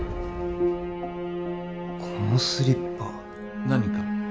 このスリッパ何か？